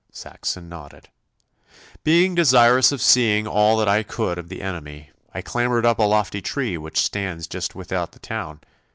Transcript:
Saxon nodded. 'Being desirous of seeing all that I could of the enemy, I clambered up a lofty tree which stands just without the town.